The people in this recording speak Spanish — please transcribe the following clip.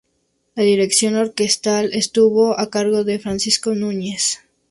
La dirección orquestal estuvo a cargo de Francisco Núñez.